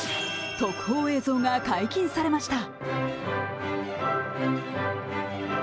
特報映像が解禁されました。